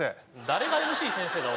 誰がＭＣ先生だ